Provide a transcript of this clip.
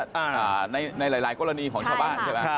ช่วยเหลือในหลายกรณีของชาวบ้านใช่ปะ